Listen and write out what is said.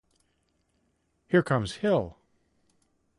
Here comes Hill!